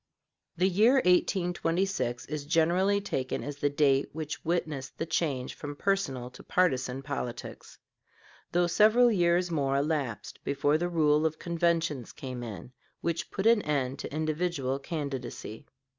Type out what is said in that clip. The year 1826 is generally taken as the date which witnessed the change from personal to partisan politics, though several years more elapsed before the rule of conventions came in, which put an end to individual candidacy.